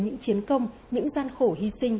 những chiến công những gian khổ hy sinh